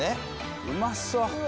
うまそう。